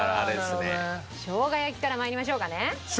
しょうが焼きから参りましょうかね。